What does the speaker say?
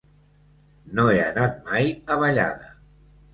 No he anat mai a Vallada.